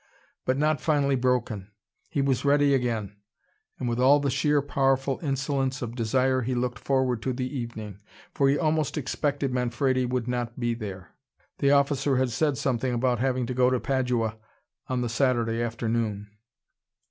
But not finally broken. He was ready again. And with all the sheer powerful insolence of desire he looked forward to the evening. For he almost expected Manfredi would not be there. The officer had said something about having to go to Padua on the Saturday afternoon.